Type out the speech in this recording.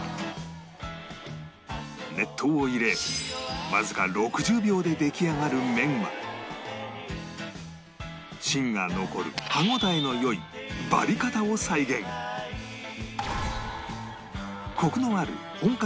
熱湯を入れわずか６０秒で出来上がる麺は芯が残る歯応えの良いコクのある本格